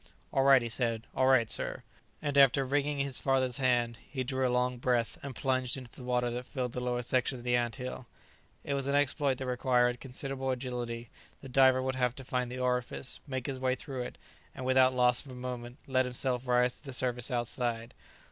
"All right!" he said, "all right, sir." And after wringing his father's hand, he drew a long breath, and plunged into the water that filled the lower section of the ant hill. It was an exploit that required considerable agility; the diver would have to find the orifice, make his way through it, and, without loss of a moment, let himself rise to the surface outside.